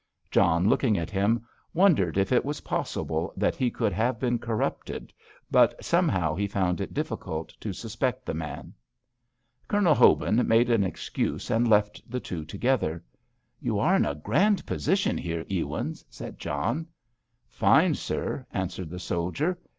John, looking at him, wondered if it was possible that he could have been corrupted, but somehow he found it difficult to suspect the man. Colonel Hobin made an excuse and left the two together. "You are in a grand position here, Ewins," said John. "Fine, sir," answered the soldier.